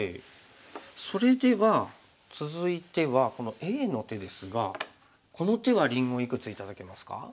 それでは続いてはこのＡの手ですがこの手はりんごいくつ頂けますか？